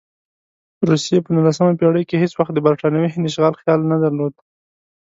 روسیې په نولسمه پېړۍ کې هېڅ وخت د برټانوي هند اشغال خیال نه درلود.